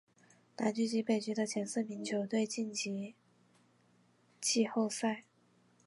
南区及北区的前四名球队晋级季后赛。